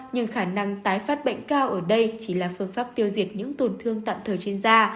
nhưng khả năng tái phát bệnh cao ở đây chỉ là phương pháp tiêu diệt những tổn thương tạm thời trên da